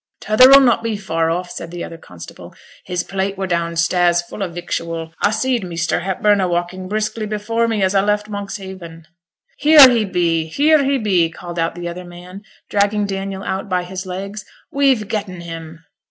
'T' other 'll not be far off,' said the other constable. 'His plate were down stairs, full o' victual; a seed Measter Hepburn a walking briskly before me as a left Monkshaven.' 'Here he be, here he be,' called out the other man, dragging Daniel out by his legs, 'we've getten him.'